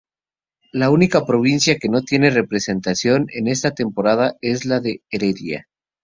La única provincia que no tiene representación en esta temporada es la de Heredia.